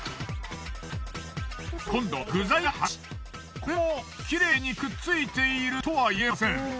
今度は具材がはみ出しこれもきれいにくっついているとは言えません。